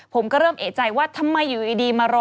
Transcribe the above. ผมก็เริ่มเอกใจว่าทำไมอยู่ดีมารอ